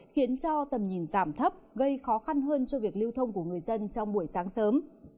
khiến cho tầm nhìn giảm thấp gây khó khăn hơn cho việc lưu thông của người dân trong buổi sáng sớm